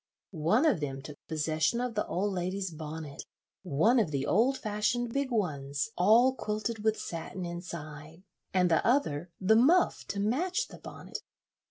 One of them took possession of the old lady's bonnet, one of the old fashioned big ones, all quilted with satin inside; and the other the muff to match the bonnet.